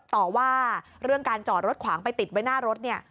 ต่อว่าเรื่องการจอดรถขวางไปติดไว้หน้ารถเนี่ย